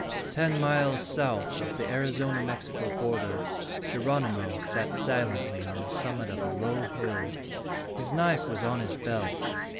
Ten miles south of the Arizona Mexico border, Geronimo sat silently on the summit of a low hill. His knife was on his belt.